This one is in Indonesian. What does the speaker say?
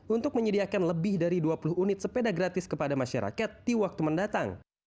untuk menyediakan lebih dari dua puluh unit sepeda gratis kepada masyarakat di waktu mendatang